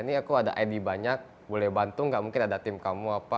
ini aku ada id banyak boleh bantu gak mungkin ada tim kamu apa